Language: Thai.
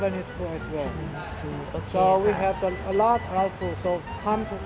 เพื่อให้มีความรู้สึกของการกินเพราะว่าเราขอบรรยากาศอีก